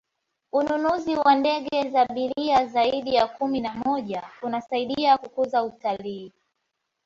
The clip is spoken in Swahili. ununuzi wa ndege za abiriri zaidi ya kumi na moja kunasaidia kukuza utalii